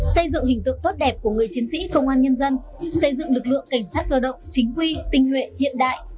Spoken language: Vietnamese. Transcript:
xây dựng hình tượng tốt đẹp của người chiến sĩ công an nhân dân xây dựng lực lượng cảnh sát cơ động chính quy tinh nguyện hiện đại